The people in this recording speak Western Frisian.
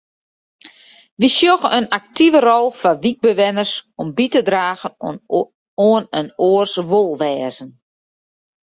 Wy sjogge in aktive rol foar wykbewenners om by te dragen oan inoars wolwêzen.